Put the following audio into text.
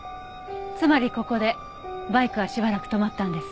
つまりここでバイクはしばらく止まったんです。